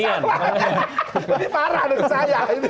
ini parah dari saya